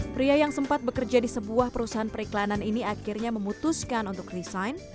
pria yang sempat bekerja di sebuah perusahaan periklanan ini akhirnya memutuskan untuk resign